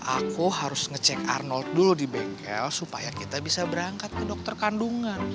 aku harus ngecek arnold dulu di bengkel supaya kita bisa berangkat ke dokter kandungan